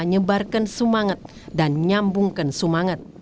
nyebarkan sumanget dan nyambungkan sumanget